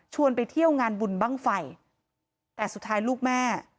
ไปเที่ยวงานบุญบ้างไฟแต่สุดท้ายลูกแม่